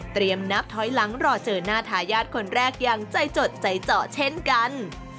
นับถอยหลังรอเจอหน้าทายาทคนแรกอย่างใจจดใจเจาะเช่นกัน